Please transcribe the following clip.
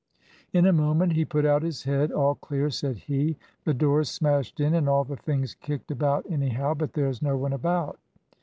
In a moment he put out his head. "All clear," said he. "The door's smashed in, and all the things kicked about anyhow; but there's no one about."